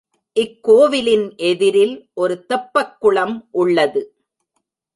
இக் கோவிலின் எதிரில் ஒரு தெப்பக் குளம் உள்ளது.